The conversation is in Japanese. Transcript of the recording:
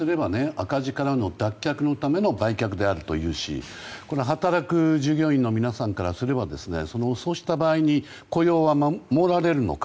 赤字からの脱却のための売却だし働く従業員の皆さんからすればそうした場合に雇用は守られるのか。